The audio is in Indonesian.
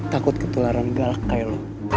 takut ketularan galak kayak lu